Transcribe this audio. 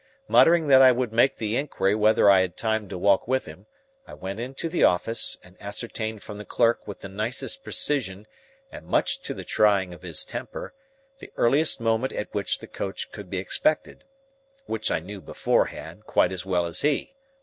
Muttering that I would make the inquiry whether I had time to walk with him, I went into the office, and ascertained from the clerk with the nicest precision and much to the trying of his temper, the earliest moment at which the coach could be expected,—which I knew beforehand, quite as well as he.